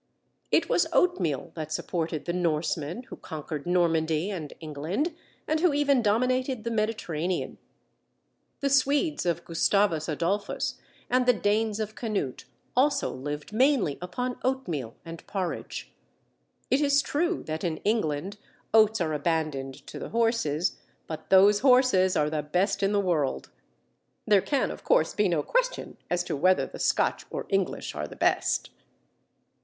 It was oatmeal that supported the Norsemen who conquered Normandy and England, and who even dominated the Mediterranean. The Swedes of Gustavus Adolphus and the Danes of Canute also lived mainly upon oatmeal and porridge. It is true that in England oats are abandoned to the horses, but those horses are the best in the world. There can, of course, be no question as to whether the Scotch or English are the best!